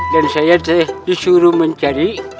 dan saya disuruh mencari